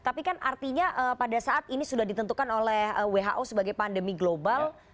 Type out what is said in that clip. tapi kan artinya pada saat ini sudah ditentukan oleh who sebagai pandemi global